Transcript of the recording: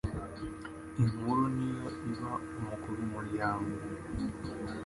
inkuru ni yo iba umukuru w'umuryango.